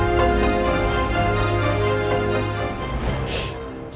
aku mau lihat